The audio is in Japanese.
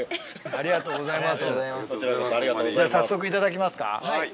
ありがとうございます。